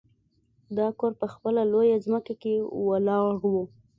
دا کور په خپله لویه ځمکه کې ولاړ و